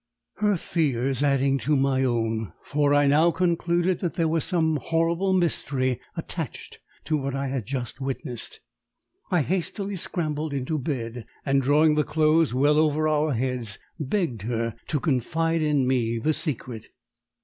Her fears adding to my own, for I now concluded that there was some horrible mystery attached to what I had just witnessed, I hastily scrambled into bed, and, drawing the clothes well over our heads, begged her to confide in me the secret.